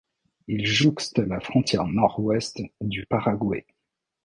Il jouxte la frontière nord-ouest du Paraguay.